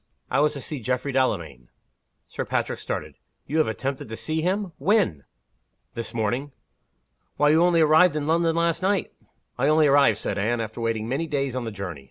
"It was to see Geoffrey Delamayn." Sir Patrick started. "You have attempted to see him! When?" "This morning." "Why, you only arrived in London last night!" "I only arrived," said Anne, "after waiting many days on the journey.